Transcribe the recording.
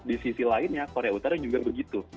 di sisi lainnya korea utara juga begitu